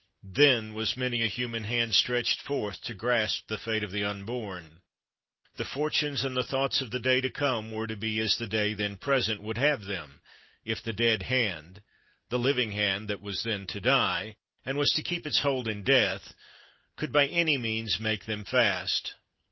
Then was many a human hand stretched forth to grasp the fate of the unborn. The fortunes and the thoughts of the day to come were to be as the day then present would have them, if the dead hand the living hand that was then to die, and was to keep its hold in death could by any means make them fast.